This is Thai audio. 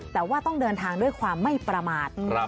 แต่ว่าต้องเดินทางด้วยความไม่ประมาท